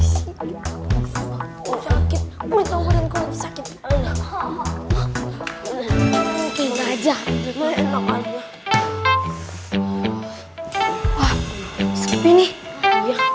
senyum jambri sakit listrik